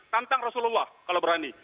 tantang rasulullah kalau berani